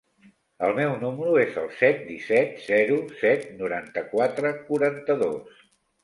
El meu número es el set, disset, zero, set, noranta-quatre, quaranta-dos.